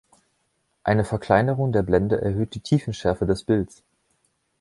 Eine Verkleinerung der Blende erhöht die Tiefenschärfe des Bilds.